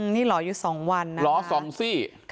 นี่หล่ออยู่๒วันหล่อ๒ซี่